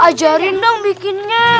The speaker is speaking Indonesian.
ajarin dong bikinnya